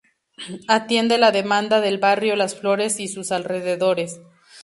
Atiende la demanda del barrio Las Flores y sus alrededores.